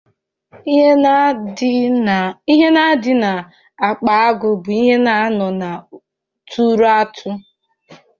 Ihe na-adị n'akpa agwụ bụ ihe anọ a tụrụ àtụ